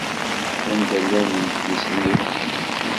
Anda llan yedlisen-iw?